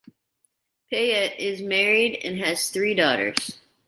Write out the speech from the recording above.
Paet is married and has three daughters.